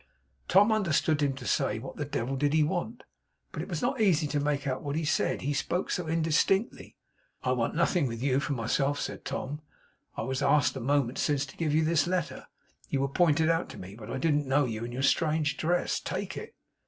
Tom understood him to say, what the devil did he want; but it was not easy to make out what he said; he spoke so indistinctly. 'I want nothing with you for myself,' said Tom; 'I was asked, a moment since, to give you this letter. You were pointed out to me, but I didn't know you in your strange dress. Take it!